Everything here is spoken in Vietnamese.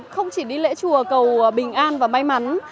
không chỉ đi lễ chùa cầu bình an và may mắn